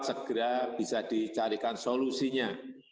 segera bisa dicarikan solusinya